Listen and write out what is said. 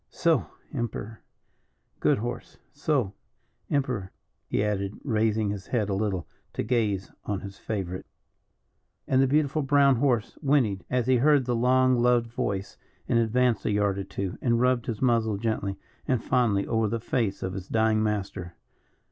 Soh! Emperor, good horse. Soh! Emperor!" he added, raising his head a little to gaze on his favourite. And the beautiful brown horse whinnied as he heard the long loved voice, and advanced a yard or two, and rubbed his muzzle gently and fondly over the face of his dying master.